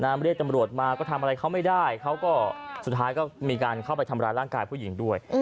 เรียกตำรวจมาก็ทำอะไรเขาไม่ได้เขาก็สุดท้ายก็มีการเข้าไปทำร้ายร่างกายผู้หญิงด้วย